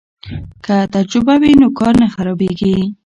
که تجربه وي نو کار نه خرابېږي.